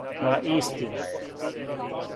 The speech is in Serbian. Ма истина је.